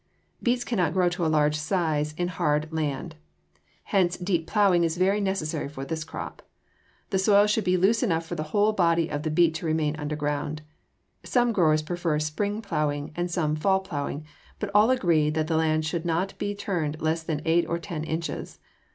Beets cannot grow to a large size in hard land. Hence deep plowing is very necessary for this crop. The soil should be loose enough for the whole body of the beet to remain underground. Some growers prefer spring plowing and some fall plowing, but all agree that the land should not be turned less than eight or ten inches.